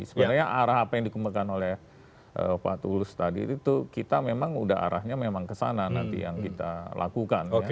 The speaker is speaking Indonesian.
sebenarnya arah apa yang dikembangkan oleh pak tulus tadi itu kita memang udah arahnya memang kesana nanti yang kita lakukan ya